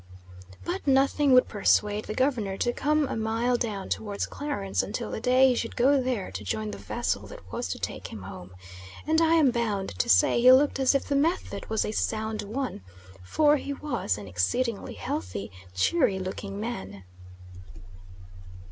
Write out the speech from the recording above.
But nothing would persuade the Governor to come a mile down towards Clarence until the day he should go there to join the vessel that was to take him home, and I am bound to say he looked as if the method was a sound one, for he was an exceedingly healthy, cheery looking man.